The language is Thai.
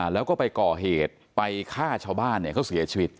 แล้วก็ไปก่อเหตุไปฆ่าชาวบ้านเขาเสียชีวิต